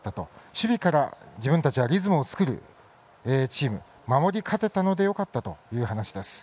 守備から自分たちはリズムを作るチーム守り勝てたのでよかったという話です。